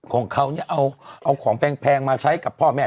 ของเขาเนี่ยเอาของแพงมาใช้กับพ่อแม่